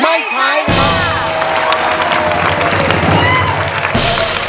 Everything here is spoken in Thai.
ไม่ใช้ค่ะ